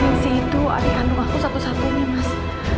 misi itu adik handung aku satu satunya mas